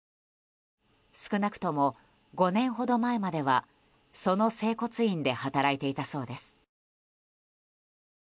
少なくとも５年ほど前まではその整骨院で働いていたそうです。